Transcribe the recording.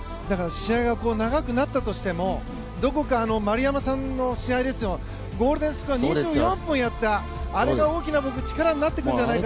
試合は長くなったとしてもどこか、丸山さんとの試合でゴールデンスコア２４分やったのがあれが大きな力になったんじゃないかと。